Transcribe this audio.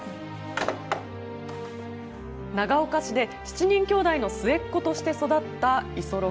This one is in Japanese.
長岡市で７人きょうだいの末っ子として育った五十六。